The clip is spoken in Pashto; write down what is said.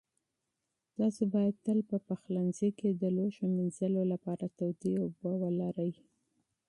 تاسو باید تل په پخلنځي کې د لوښو مینځلو لپاره ګرمې اوبه ولرئ.